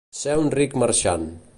Ser un ric marxant.